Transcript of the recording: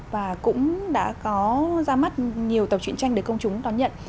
và cũng đã có ra mắt nhiều tập truyền tranh để công chúng đón nhận